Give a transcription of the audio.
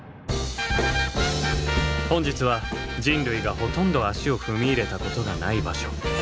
本日は人類がほとんど足を踏み入れたことがない場所